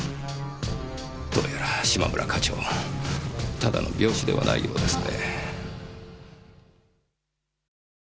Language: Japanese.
どうやら嶋村課長ただの病死ではないようですねぇ。